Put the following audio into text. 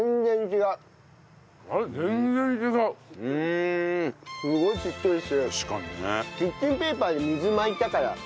キッチンペーパーで水巻いたから。